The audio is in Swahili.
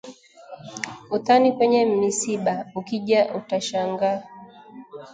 Utani kwenye misiba, ukija utashangaa